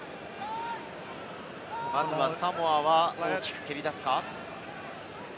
まずはサモアは大きく蹴り出すか？